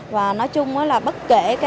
và nói chung là bất kể